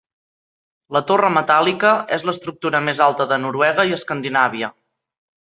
La torre metàl·lica és l'estructura més alta de Noruega i Escandinàvia.